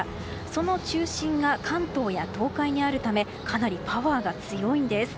その中心が関東や東海にあるためかなりパワーが強いんです。